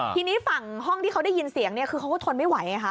ทีนี้ฝั่งห้องที่เขาได้ยินเสียงเนี่ยคือเขาก็ทนไม่ไหวไงคะ